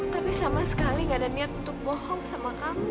tapi sama sekali gak ada niat untuk bohong sama kamu